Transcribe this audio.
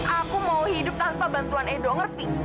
aku mau hidup tanpa bantuan endo ngerti